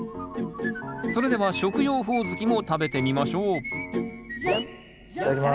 それでは食用ホオズキも食べてみましょういただきます。